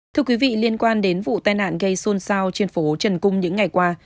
thưa quý vị liên quan đến vụ tai nạn gây xôn xao trên phố trần cung những ngày qua